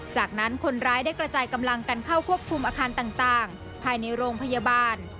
จากนั้นคนร้ายได้กระจายกำลังกันเข้าควบคุมอาคารต่างภายในโรงพยาบาล